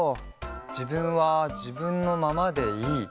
じぶんはじぶんのままでいい。